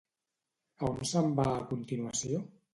A on se'n va a continuació?